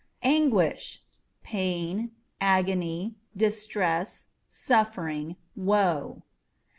Anguish â€" pain, agony, distress, suffering, woe.